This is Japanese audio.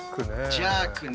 ジャークね。